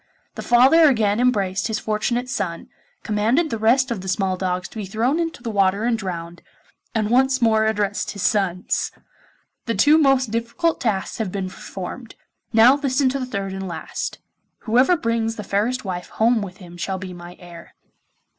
The father again embraced his fortunate son, commanded the rest of the small dogs to be thrown into the water and drowned, and once more addressed his sons. 'The two most difficult tasks have been performed. Now listen to the third and last: whoever brings the fairest wife home with him shall be my heir.